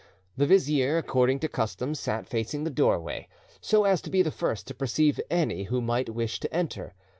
The vizier, according to custom, sat facing the doorway, so as to be the first to perceive any who might wish to enter.